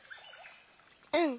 うん。